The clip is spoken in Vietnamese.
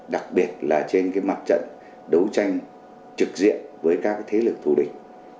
đặc biệt là trên cái mặt trận đấu tranh trực diện với các thế lực thù địch